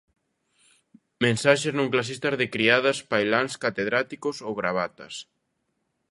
Mensaxes non clasistas de criadas, pailáns, catedráticos ou gravatas.